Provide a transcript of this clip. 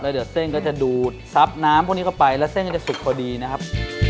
เดี๋ยวเส้นก็จะดูดซับน้ำพวกนี้เข้าไปแล้วเส้นก็จะสุกพอดีนะครับ